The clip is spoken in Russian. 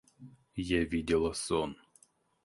Я видела сон.